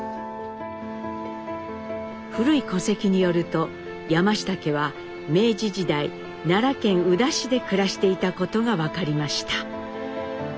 古い戸籍によると山下家は明治時代奈良県宇陀市で暮らしていたことが分かりました。